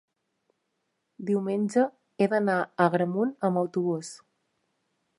diumenge he d'anar a Agramunt amb autobús.